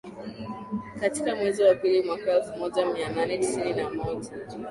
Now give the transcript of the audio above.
Katika mwezi wa pili mwaka elfu moja mia nane tisini na moja